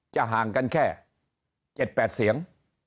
ห่างกันแค่๗๘เสียง